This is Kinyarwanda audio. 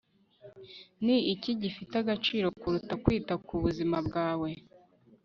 Ni iki gifite agaciro kuruta kwita ku buzima bwawe